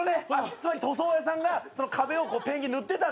つまり塗装屋さんが壁をペンキ塗ってたんだ。